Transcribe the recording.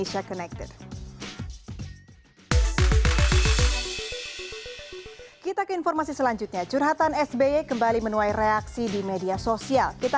baik terima kasih bang emru sihombi